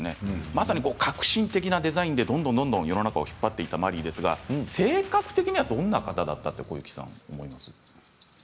まさに革新的なデザインでどんどんと世の中を引っ張っていたマリーですが性格的にはどんな方だったと思いますか？